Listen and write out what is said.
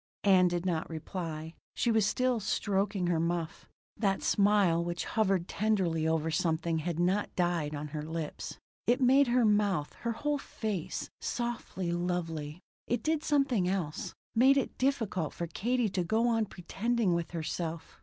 Ann did not reply; she was still stroking her muff; that smile which hovered tenderly over something had not died on her lips. It made her mouth, her whole face, softly lovely. It did something else. Made it difficult for Katie to go on pretending with herself.